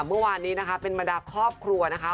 เมื่อวานนี้นะคะเป็นบรรดาครอบครัวนะคะ